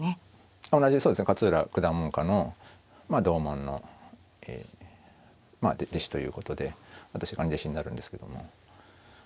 そうですね勝浦九段門下の同門の弟子ということで私兄弟子になるんですけども。